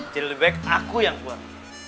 jadi lebih baik aku yang keluar